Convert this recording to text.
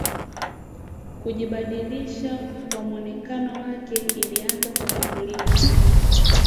Kujibadilisha kwa mwonekano wake ilianza kutambulika